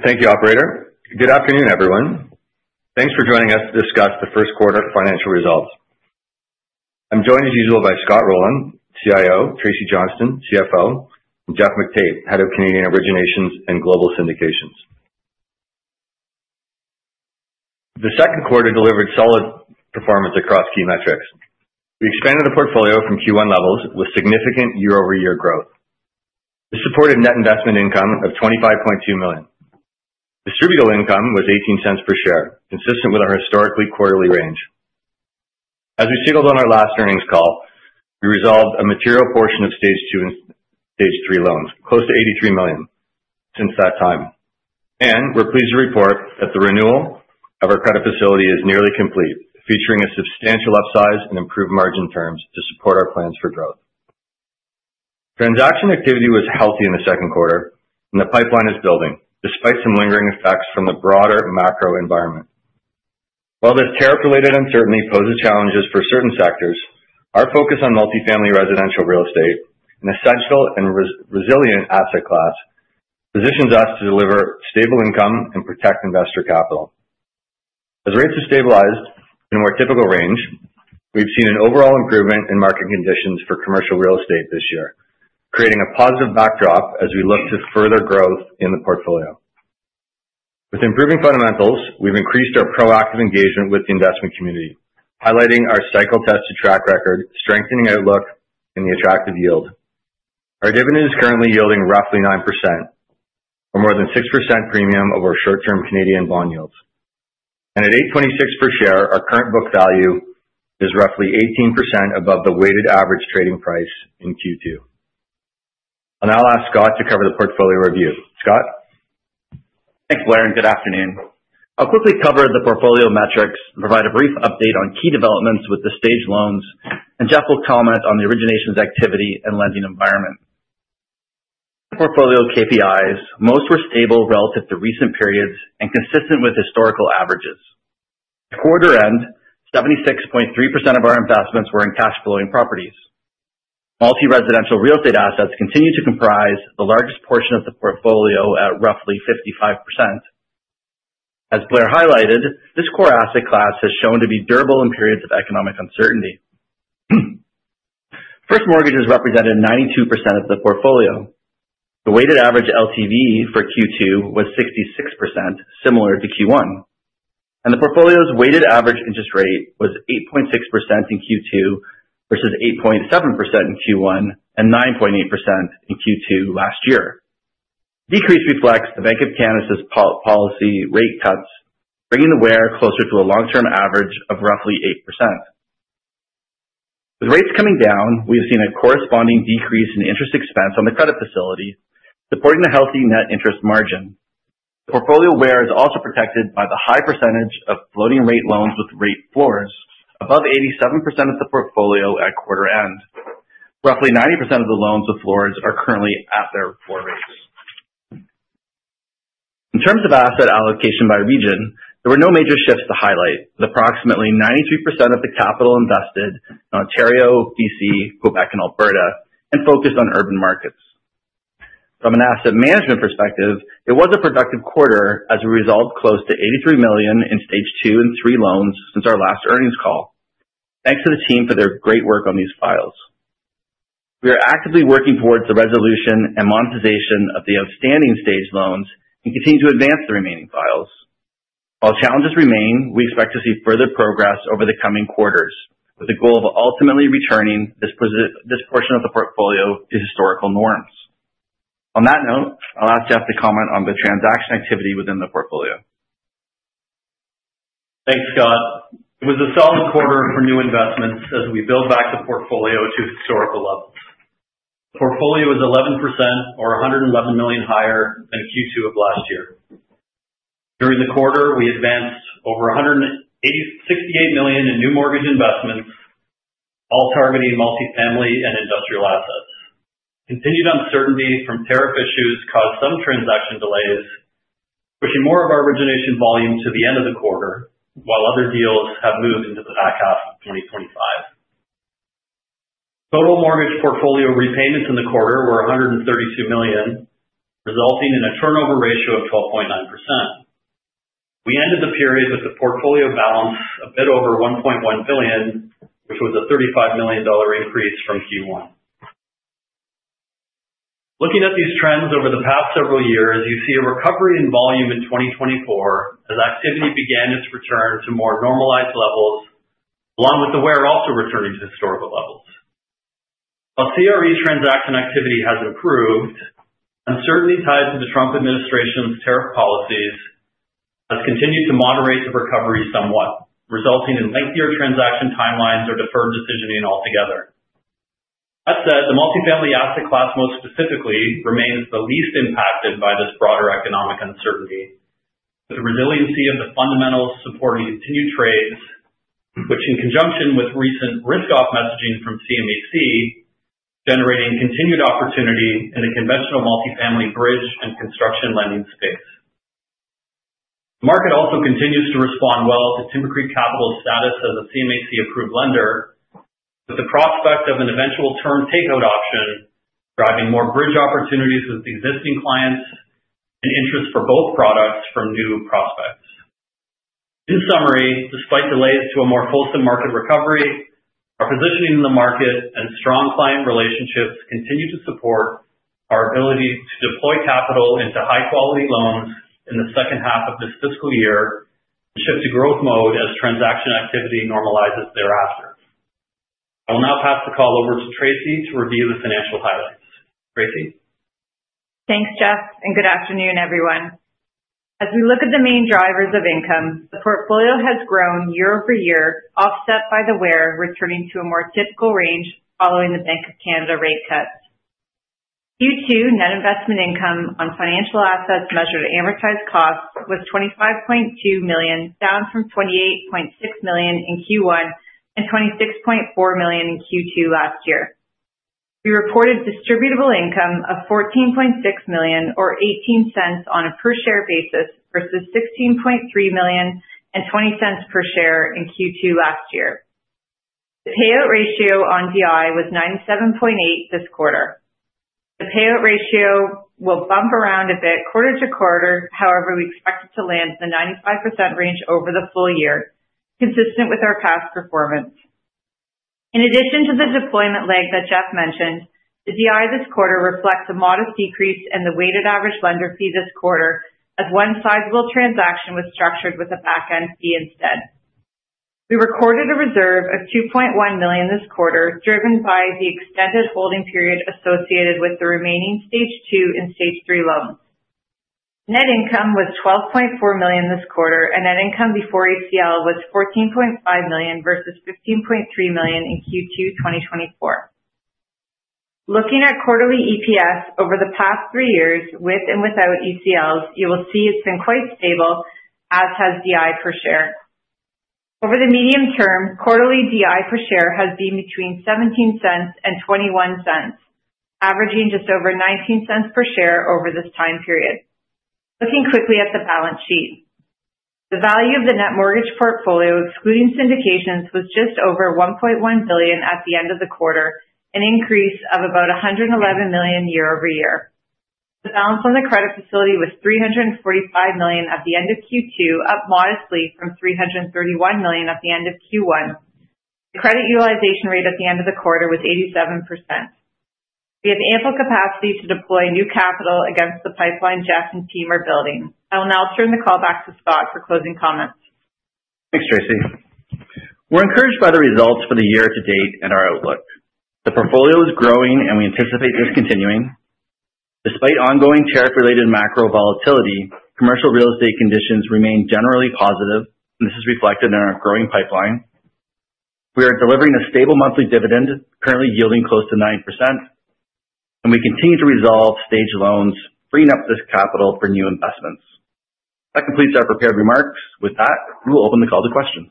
Thank you, operator. Good afternoon, everyone. Thanks for joining us to discuss the first quarter's financial results. I'm joined, as usual, by Scott Rowland, CIO, Tracy Johnston, CFO, and Geoff McTait, Head of Canadian Originations and Global Syndications. The second quarter delivered solid performance across key metrics. We expanded the portfolio from Q1 levels with significant year-over-year growth. This supported net investment income of $25.2 million. Distributable income was $0.18 per share, consistent with our historical quarterly range. As we signaled on our last earnings call, we resolved a material portion of Stage 2 and Stage 3 loans, close to $83 million since that time. We're pleased to report that the renewal of our credit facility is nearly complete, featuring a substantial upsize and improved margin terms to support our plans for growth. Transaction activity was healthy in the second quarter, and the pipeline is building, despite some lingering effects from the broader macro environment. While the tariff-related uncertainty poses challenges for certain sectors, our focus on multifamily residential real estate, an essential and resilient asset class, positions us to deliver stable income and protect investor capital. As rates have stabilized in a more typical range, we've seen an overall improvement in market conditions for commercial real estate this year, creating a positive backdrop as we look to further growth in the portfolio. With improving fundamentals, we've increased our proactive engagement with the investment community, highlighting our cycle-tested track record, strengthening our look, and the attractive yield. Our dividend is currently yielding roughly 9%, or more than 6% premium over short-term Canadian bond yields. At $8.26 per share, our current book value is roughly 18% above the weighted average trading price in Q2. I'll now ask Scott to cover the portfolio review. Scott? Thanks, Blair, and good afternoon. I'll quickly cover the portfolio metrics and provide a brief update on key developments with the stage loans, and Geoff will comment on the originations activity and lending environment. The portfolio KPIs were stable relative to recent periods and consistent with historical averages. At quarter end, 76.3% of our investments were in cash-flowing properties. Multi-residential real estate assets continue to comprise the largest portion of the portfolio at roughly 55%. As Blair highlighted, this core asset class has shown to be durable in periods of economic uncertainty. First mortgages represented 92% of the portfolio. The weighted average LTV for Q2 was 66%, similar to Q1. The portfolio's weighted average interest rate was 8.6% in Q2 versus 8.7% in Q1 and 9.8% in Q2 last year. The decrease reflects the Bank of Canada's policy rate cuts, bringing the WAIR closer to a long-term average of roughly 8%. With rates coming down, we've seen a corresponding decrease in interest expense on the credit facility, supporting a healthy net interest margin. The portfolio WAIR is also protected by the high percentage of floating-rate loans with rate floors, above 87% of the portfolio at quarter end. Roughly 90% of the loans with floors are currently at their floor rates. In terms of asset allocation by region, there were no major shifts to highlight, with approximately 93% of the capital invested in Ontario, B.C., Quebec, and Alberta, and focused on urban markets. From an asset management perspective, it was a productive quarter as we resolved close to $83 million in Stage 2 and Stage 3 loans since our last earnings call. Thanks to the team for their great work on these files. We are actively working towards the resolution and monetization of the outstanding stage loans and continue to advance the remaining files. While challenges remain, we expect to see further progress over the coming quarters, with the goal of ultimately returning this portion of the portfolio to historical norms. On that note, I'll ask Geoff to comment on the transaction activity within the portfolio. Thanks, Scott. It was a solid quarter for new investments as we built back the portfolio to historical levels. The portfolio is 11%, or $111 million higher than Q2 of last year. During the quarter, we advanced over $168 million in new mortgage investments, all targeting multifamily and industrial assets. Continued uncertainty from tariff issues caused some transaction delays, pushing more of our origination volume to the end of the quarter, while other deals have moved into the back half of 2025. Total mortgage portfolio repayments in the quarter were $132 million, resulting in a turnover ratio of 12.9%. We ended the period with the portfolio balance a bit over $1.1 billion, which was a $35 million increase from Q1. Looking at these trends over the past several years, you see a recovery in volume in 2024 as activity began its return to more normalized levels, along with the WAIR also returning to historical levels. While CRE transaction activity has improved, uncertainty tied to the Trump administration's tariff policies has continued to moderate the recovery somewhat, resulting in lengthier transaction timelines or deferred decisioning altogether. That said, the multifamily asset class most specifically remains the least impacted by this broader economic uncertainty, with the resiliency of the fundamentals supporting continued trades, which in conjunction with recent risk-off messaging from CMHC generating continued opportunity in the conventional multifamily bridge and construction lending space. The market also continues to respond well to Timbercreek Capital's status as a CMHC-approved lender, with the prospect of an eventual term takeout option driving more bridge opportunities with existing clients and interest for both products from new prospects. In summary, despite delays to a more fulsome market recovery, our positioning in the market and strong client relationships continue to support our ability to deploy capital into high-quality loans in the second half of this fiscal year and shift to growth mode as transaction activity normalizes thereafter. I will now pass the call over to Tracy to review the financial highlights. Tracy. Thanks, Geoff, and good afternoon, everyone. As we look at the main drivers of income, the portfolio has grown year over year, offset by the WAIR returning to a more typical range following the Bank of Canada rate cuts. Q2 net investment income on financial assets measured at amortized cost was $25.2 million, down from $28.6 million in Q1 and $26.4 million in Q2 last year. We reported distributable income of $14.6 million, or $0.18 on a per-share basis versus $16.3 million and $0.20 per share in Q2 last year. The payout ratio on DI was 97.8% this quarter. The payout ratio will bump around a bit quarter to quarter, however, we expect it to land in the 95% range over the full year, consistent with our past performance. In addition to the deployment leg that Geoff mentioned, the DI this quarter reflects a modest decrease in the weighted average lender fee this quarter as one sizable transaction was structured with a backend fee instead. We recorded a reserve of $2.1 million this quarter, driven by the extended holding period associated with the remaining Stage 2 and Stage 3 loans. Net income was $12.4 million this quarter, and net income before ACL was $14.5 million versus $15.3 million in Q2 2024. Looking at quarterly EPS over the past three years, with and without ECLs, you will see it's been quite stable, as has DI per share. Over the medium term, quarterly DI per share has been between $0.17 and $0.21, averaging just over $0.19 per share over this time period. Looking quickly at the balance sheet, the value of the net mortgage portfolio, excluding syndications, was just over $1.1 billion at the end of the quarter, an increase of about $111 million year over year. The balance on the credit facility was $345 million at the end of Q2, up modestly from $331 million at the end of Q1. The credit utilization rate at the end of the quarter was 87%. We have ample capacity to deploy new capital against the pipeline Geoff and team are building. I will now turn the call back to Scott for closing comments. Thanks, Tracy. We're encouraged by the results for the year to date and our outlook. The portfolio is growing, and we anticipate this continuing. Despite ongoing tariff-related macro volatility, commercial real estate conditions remain generally positive, and this is reflected in our growing pipeline. We are delivering a stable monthly dividend, currently yielding close to 9%, and we continue to resolve Stage 2 and Stage 3 loans, freeing up this capital for new investments. That completes our prepared remarks. With that, we will open the call to questions.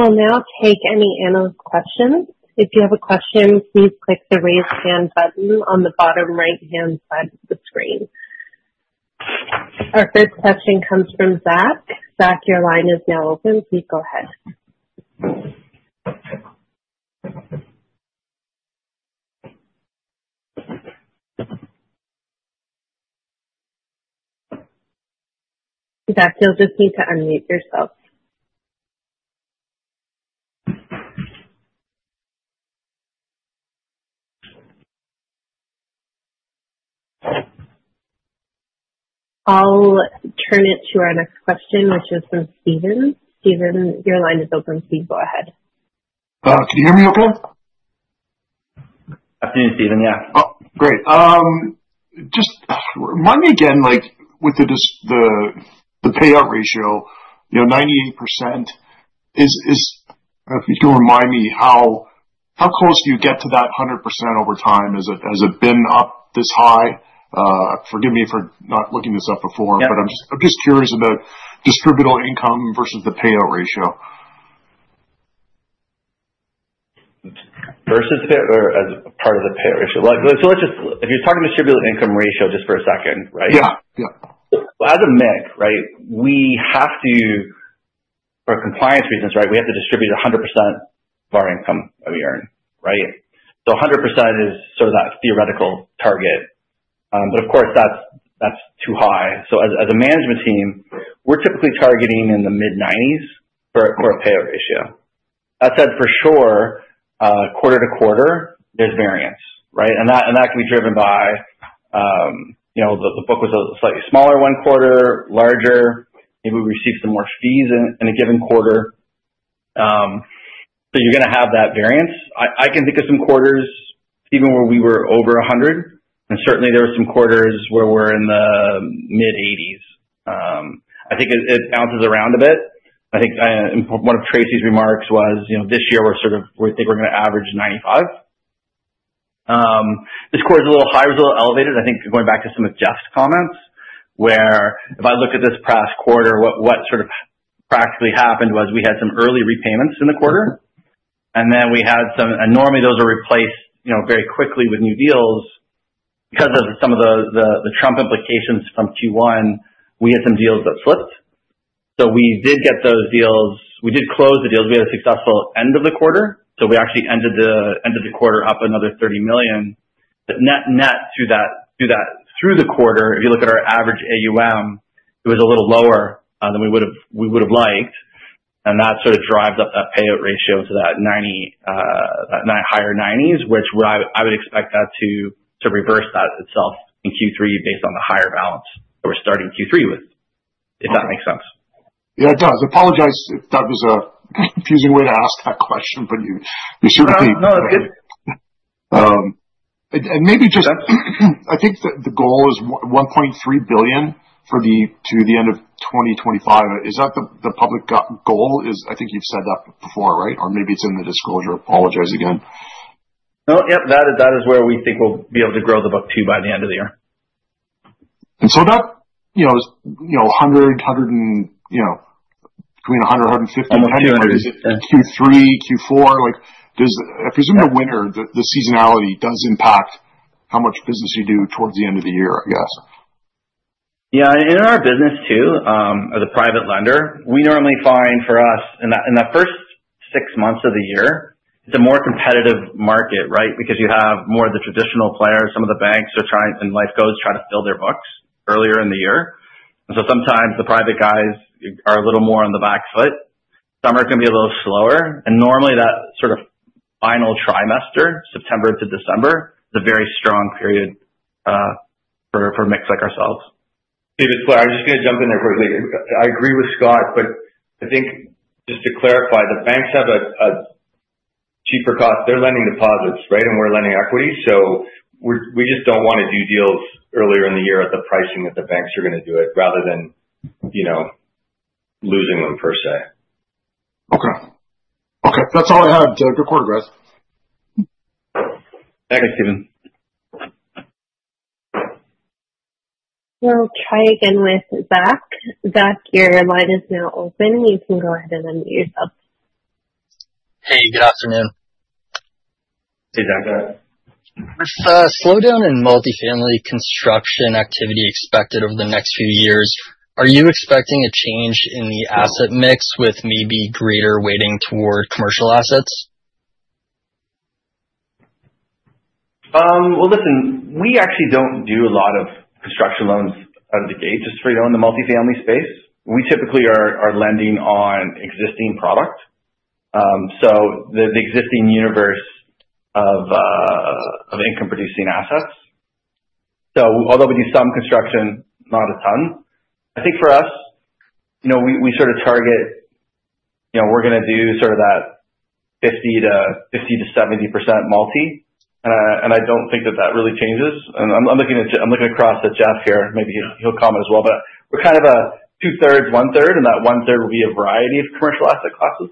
I'll now take any analyst questions. If you have a question, please click the raise hand button on the bottom right-hand side of the screen. Our first question comes from Zach. Zach, your line is now open. Please go ahead. Zach, you'll just need to unmute yourself. I'll turn it to our next question, which is from Stephen. Stephen, your line is open. Please go ahead. Can you hear me okay? Yes. Afternoon, Stephen. Yeah. Great. Just remind me again, like, with the payout ratio, you know, 98%, if you can remind me how close do you get to that 100% over time? Has it been up this high? Forgive me for not looking this up before, but I'm just curious about distributable income versus the payout ratio. Versus the payout or as part of the payout ratio. If you're talking distributable income ratio just for a second, right? Yeah, yeah. As a MIC, right, we have to, for compliance reasons, we have to distribute 100% of our income every year, right? 100% is sort of that theoretical target, but of course, that's too high. As a management team, we're typically targeting in the mid-90s for a payout ratio. That said, for sure, quarter to quarter, there's variance, and that can be driven by, you know, the book was a slightly smaller one quarter, larger, maybe we received some more fees in a given quarter, so you're going to have that variance. I can think of some quarters even where we were over 100%, and certainly there were some quarters where we're in the mid-80s. I think it bounces around a bit. I think one of Tracy's remarks was, you know, this year we're sort of, we think we're going to average 95%. This quarter is a little higher, it was a little elevated. Going back to some of Geoff's comments, if I looked at this past quarter, what sort of practically happened was we had some early repayments in the quarter, and then we had some, and normally those are replaced very quickly with new deals. Because of some of the Trump implications from Q1, we had some deals that flipped. We did get those deals. We did close the deals. We had a successful end of the quarter. We actually ended the end of the quarter up another $30 million. Net net through the quarter, if you look at our average AUM, it was a little lower than we would have liked. That sort of drives up that payout ratio to that higher 90s, which I would expect to reverse itself in Q3 based on the higher balance that we're starting Q3 with, if that makes sense. Yeah, it does. Apologize if that was a confusing way to ask that question, but you should repeat. I think the goal is $1.3 billion to the end of 2025. Is that the public goal? I think you've said that before, right? Or maybe it's in the disclosure. Apologize again. Yes, that is where we think we'll be able to grow the book to by the end of the year. Between $100, $150 in Q3, Q4, I presume the winter, the seasonality does impact how much business you do towards the end of the year, I guess. Yeah, and in our business too, as a private lender, we normally find for us in that first six months of the year, it's a more competitive market, right? You have more of the traditional players, some of the banks are trying, and life goes, trying to fill their books earlier in the year. Sometimes the private guys are a little more on the back foot. Some are going to be a little slower. Normally that sort of final trimester, September to December, is a very strong period for MICs like ourselves. Sorry, I was just going to jump in there quickly. I agree with Scott, but I think just to clarify, the banks have a cheaper cost. They're lending deposits, right? We're lending equity. We just don't want to do deals earlier in the year at the pricing that the banks are going to do it rather than, you know, losing them per se. Okay, that's all I had. Good quarter, guys. Thanks, Stephen. I'll try again with Zach. Zach, your line is now open. You can go ahead and unmute yourself. Hey, Geoff, it's me. Hey, Zach. Slow down in multifamily construction activity expected over the next few years. Are you expecting a change in the asset mix with maybe greater weighting toward commercial assets? Actually, we don't do a lot of construction loans out of the gate, just so you know, in the multifamily space. We typically are lending on existing product, so the existing universe of income-producing assets. Although we do some construction, not a ton, I think for us, you know, we sort of target, you know, we're going to do sort of that 50% to 70% multi. I don't think that really changes. I'm looking across at Geoff here. Maybe he'll comment as well. We're kind of a two-thirds, one-third, and that one-third will be a variety of commercial asset classes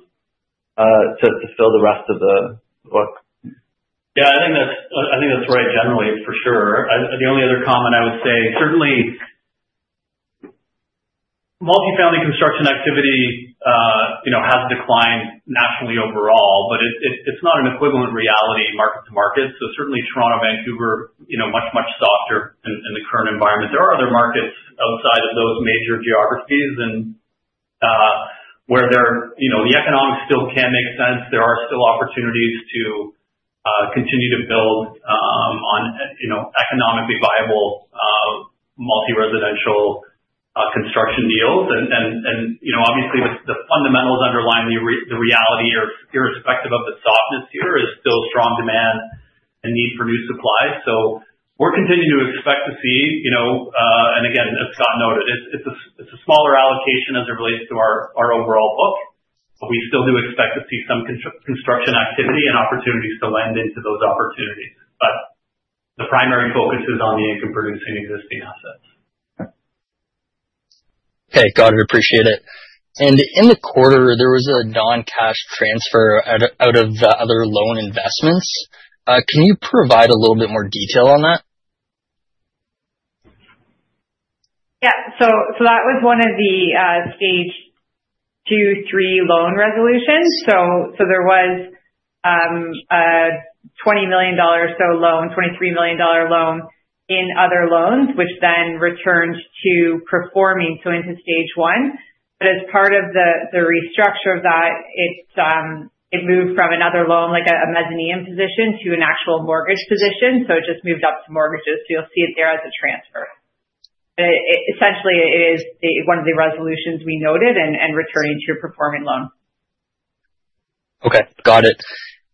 to fill the rest of the book. Yeah, I think that's right, generally, for sure. The only other comment I would say, and certainly multifamily construction activity has declined nationally overall, but it's not an equivalent reality market to market. Certainly, Toronto, Vancouver, much, much softer in the current environment. There are other markets outside of those major geographies where the economics still can make sense. There are still opportunities to continue to build on economically viable multi-residential construction deals. Obviously, the fundamentals underlying the reality, irrespective of the softness here, is still strong demand and need for new supply. We're continuing to expect to see, and again, as Scott noted, it's a smaller allocation as it relates to our overall book, but we still do expect to see some construction activity and opportunities to lend into those opportunities. The primary focus is on the income-producing existing assets. Okay, got it. Appreciate it. In the quarter, there was a non-cash transfer out of other loan investments. Can you provide a little bit more detail on that? Yeah, so that was one of the Stage 2, 3 loan resolutions. There was a $20 million or so loan, $23 million loan in other loans, which then returned to performing, so into Stage 1. As part of the restructure of that, it moved from another loan, like a mezzanine position, to an actual mortgage position. It just moved up to mortgages. You'll see it there as a transfer. Essentially, it is one of the resolutions we noted and returning to a performing loan. Okay, got it.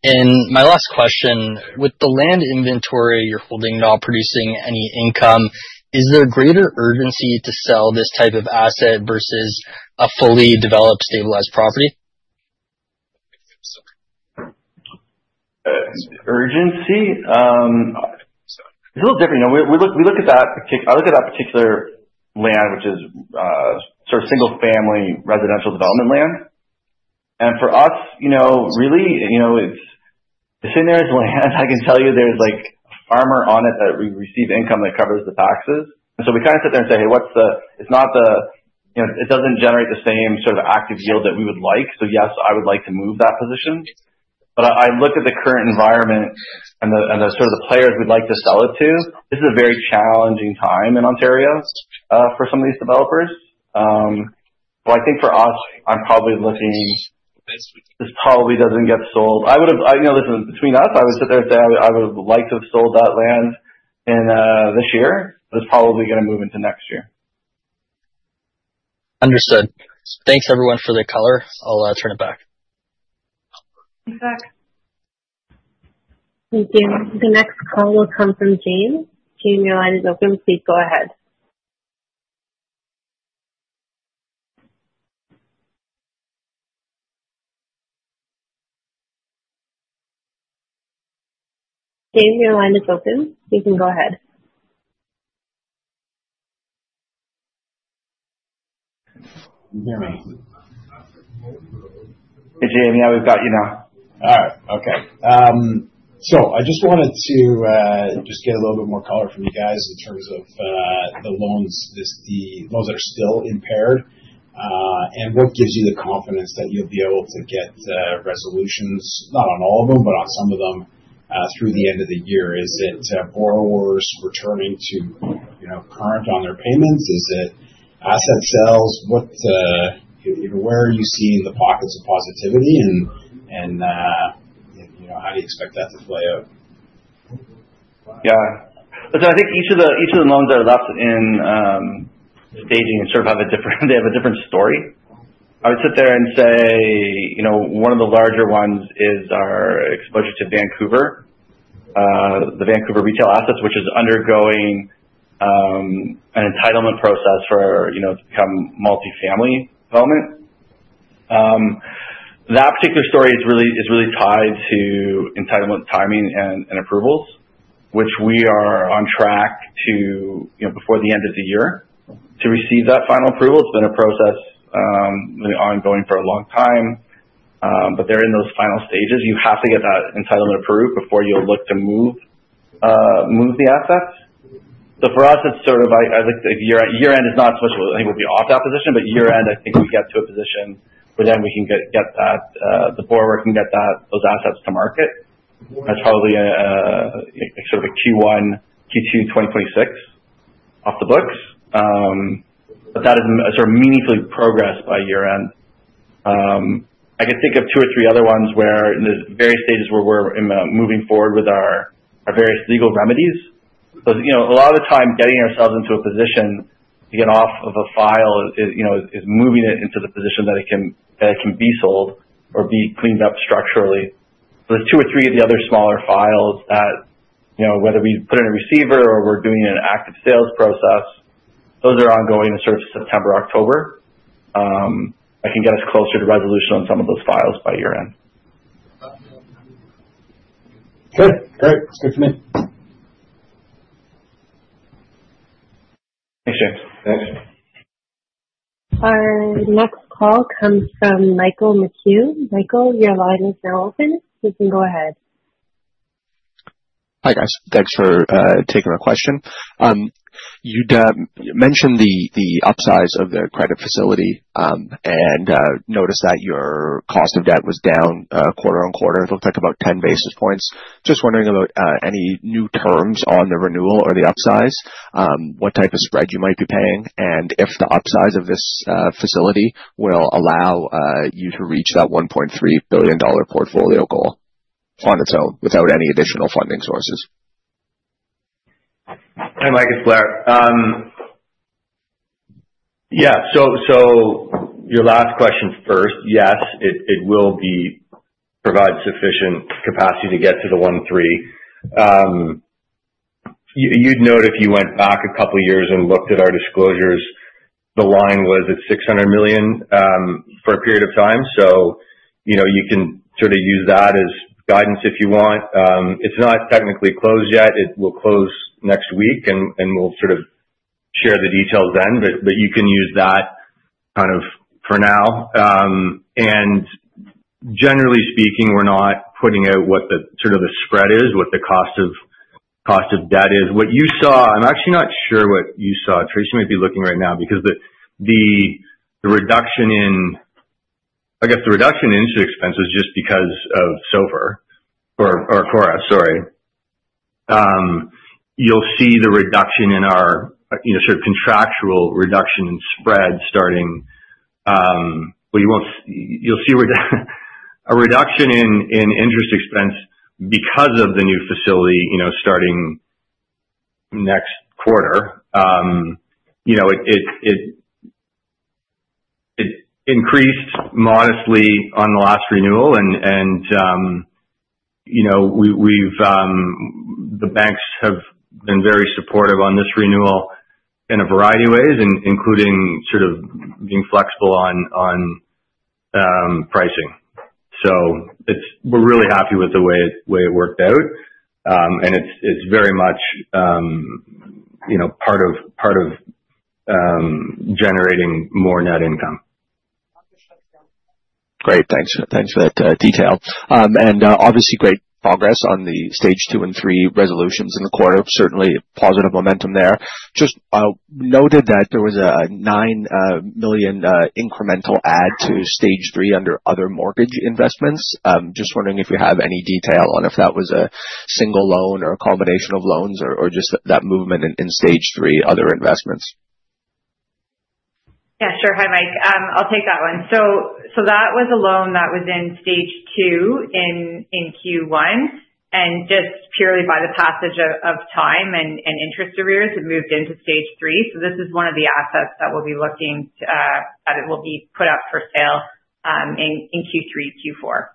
My last question, with the land inventory you're holding now producing any income, is there greater urgency to sell this type of asset versus a fully developed, stabilized property? Urgency? It's a little different. We look at that particular, I look at that particular land, which is sort of single-family residential development land. For us, you know, really, you know, it's the same there as land. I can tell you there's like a farmer on it that we receive income from that covers the taxes. We kind of sit there and say, hey, what's the, it's not the, you know, it doesn't generate the same sort of active yield that we would like. Yes, I would like to move that position. I look at the current environment and the sort of the players we'd like to sell it to. This is a very challenging time in Ontario for some of these developers. For us, I'm probably looking, this probably doesn't get sold. I would have, I know this is between us, I would sit there and say I would have liked to have sold that land in this year. It's probably going to move into next year. Understood. Thanks, everyone, for their color. I'll turn it back. Thanks, Zach. Thank you. The next call will come from James. James, your line is open. Please go ahead. Hey, James, yeah, we've got you now. All right. Okay. I just wanted to get a little bit more color from you guys in terms of the loans that are still impaired. What gives you the confidence that you'll be able to get resolutions, not on all of them, but on some of them, through the end of the year? Is it borrowers returning to current on their payments? Is it asset sales? Where are you seeing the pockets of positivity, and how do you expect that to play out? Yeah. I think each of the loans that are left in staging sort of have a different, they have a different story. I would sit there and say, you know, one of the larger ones is our exposure to Vancouver, the Vancouver retail assets, which is undergoing an entitlement process for, you know, to become multifamily development. That particular story is really tied to entitlement timing and approvals, which we are on track to, you know, before the end of the year to receive that final approval. It's been a process, really ongoing for a long time, but they're in those final stages. You have to get that entitlement approved before you'll look to move the assets. For us, it's sort of, I look at year-end. Year-end is not so much what I think we'll be off that position, but year-end, I think we get to a position where then we can get that, the borrower can get those assets to market. That's probably a sort of a Q1, Q2 2026 off the books, but that is a sort of meaningful progress by year-end. I could think of two or three other ones where in the various stages where we're moving forward with our various legal remedies. A lot of the time getting ourselves into a position to get off of a file is moving it into the position that it can be sold or be cleaned up structurally. There are two or three of the other smaller files that, you know, whether we put in a receiver or we're doing an active sales process, those are ongoing in sort of September, October. I can get us closer to resolution on some of those files by year-end. Perfect. All right. Thanks so much. Thanks, James. Our next call comes from Michael McHugh. Michael, your line is now open. You can go ahead. Hi, guys. Thanks for taking the question. You mentioned the upsize of the credit facility, and noticed that your cost of debt was down quarter on quarter. It looked like about 10 basis points. Just wondering about any new terms on the renewal or the upsize, what type of spread you might be paying, and if the upsize of this facility will allow you to reach that $1.3 billion portfolio goal on its own without any additional funding sources. Hi, Mike. It's Blair. Yeah, your last question first, yes, it will provide sufficient capacity to get to the $1.3 billion. You'd note if you went back a couple of years and looked at our disclosures, the line was at $600 million for a period of time. You can sort of use that as guidance if you want. It's not technically closed yet. It will close next week, and we'll share the details then. You can use that kind of for now. Generally speaking, we're not putting out what the spread is, what the cost of debt is. What you saw, I'm actually not sure what you saw. Tracy might be looking right now because the reduction in, I guess, the reduction in interest expense is just because of SOFR or CORRA, sorry. You'll see the reduction in our contractual reduction in spread starting, you won't, you'll see a reduction in interest expense because of the new facility starting next quarter. It increased modestly on the last renewal, and the banks have been very supportive on this renewal in a variety of ways, including being flexible on pricing. We're really happy with the way it worked out. It's very much part of generating more net income. Great. Thanks for that detail. Obviously, great progress on the Stage 2 and Stage 3 resolutions in the quarter. Certainly a positive momentum there. I just noted that there was a $9 million incremental add to Stage 3 under other mortgage investments. Just wondering if you have any detail on if that was a single loan or a combination of loans or just that movement in Stage 3 other investments. Yeah, sure. Hi, Mike. I'll take that one. That was a loan that was in Stage 2 in Q1, and just purely by the passage of time and interest arrears, it moved into Stage 3. This is one of the assets that we'll be looking at. It will be put up for sale in Q3 or Q4.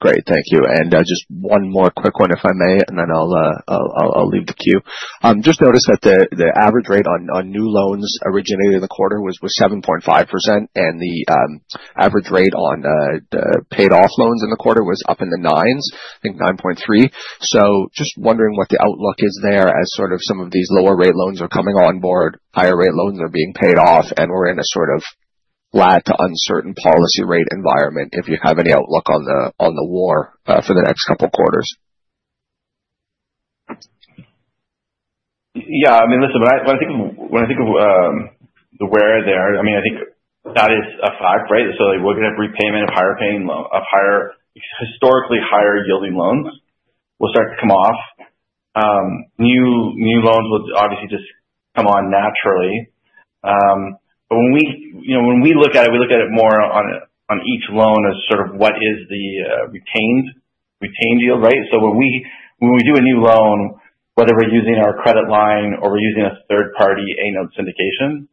Great. Thank you. Just one more quick one, if I may, and then I'll leave the queue. I just noticed that the average rate on new loans originated in the quarter was 7.5%, and the average rate on the paid-off loans in the quarter was up in the nines, I think 9.3%. I'm just wondering what the outlook is there as some of these lower rate loans are coming on board, higher rate loans are being paid off, and we're in a sort of flat to uncertain policy rate environment if you have any outlook on the war for the next couple of quarters. Yeah, I mean, listen, when I think of the WAIR there, I think that is a fact, right? We're going to have repayment of higher, historically higher yielding loans will start to come off. New loans will obviously just come on naturally. When we look at it, we look at it more on each loan as sort of what is the retained yield, right? When we do a new loan, whether we're using our credit facility or we're using a third-party A-notes syndication,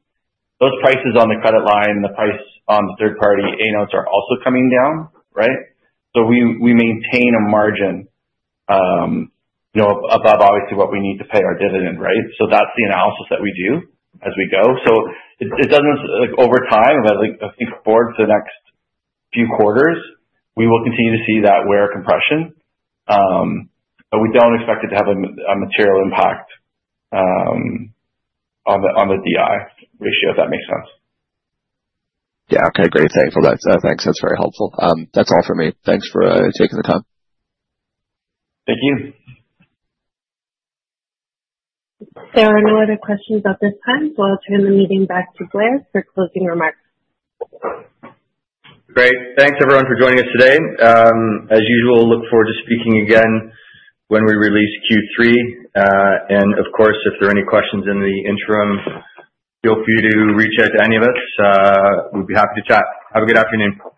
those prices on the credit facility, the price on the third-party A-notes are also coming down, right? We maintain a margin, above obviously what we need to pay our dividend, right? That's the analysis that we do as we go. Over time, I think forward to the next few quarters, we will continue to see that WAIR compression. We don't expect it to have a material impact on the DI ratio, if that makes sense. Yeah, okay. Great. Thanks, Alex. Thanks. That's very helpful. That's all for me. Thanks for taking the time. Thank you. So, no other questions at this time. I'll turn the meeting back to Blair for closing remarks. Great. Thanks, everyone, for joining us today. As usual, look forward to speaking again when we release Q3. Of course, if there are any questions in the interim, feel free to reach out to any of us. We'd be happy to chat. Have a good afternoon.